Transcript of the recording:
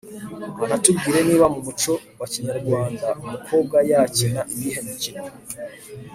anatubwire niba mu muco wa kinyarwanda umukobwa yakina iyihe mikino